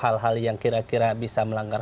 hal hal yang kira kira bisa melanggar